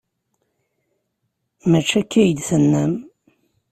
Maci akka ay d-tennam.